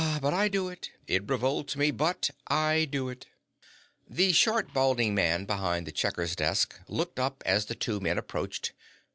But I do it! It revolts me, but I do it!" The short, balding man behind the checker's desk looked up as the two men approached.